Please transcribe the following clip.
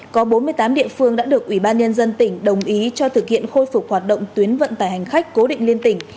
có bốn mươi tám địa phương đã được ủy ban nhân dân tỉnh đồng ý cho thực hiện khôi phục hoạt động tuyến vận tải hành khách cố định liên tỉnh